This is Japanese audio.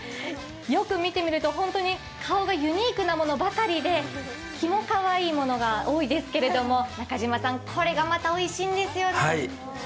よく見てみると顔がユニークなものばかりでキモかわいいものが多いですけど、中島さん、これがまたおいしいんですよね？